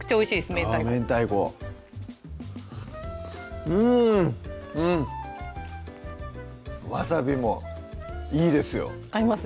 明太子あぁ明太子うんうんわさびもいいですよ合います？